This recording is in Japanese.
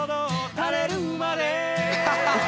垂れるまで